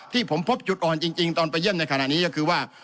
ที่ผมพบจุดอ่อนจริงตอนไปเยี่ยมในขณะนี้ก็คือว่า